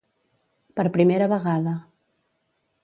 Per primera vegada.